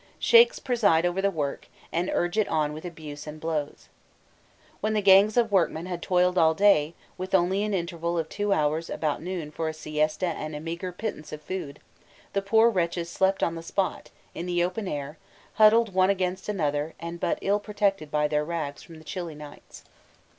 Sheikhs preside over the work, and urge it on with abuse and blows. When the gangs of workmen had toiled all day, with only an interval of two hours about noon for a siesta and a meagre pittance of food, the poor wretches slept on the spot, in the open air, huddled one against another and but ill protected by their rags from the chilly nights.